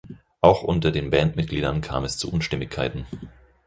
Auch unter den Bandmitgliedern kam es zu Unstimmigkeiten.